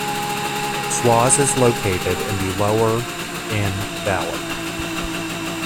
Schwaz is located in the lower Inn valley.